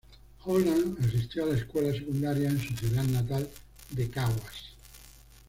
Holland asistió a la escuela secundaria en su ciudad natal de Caguas.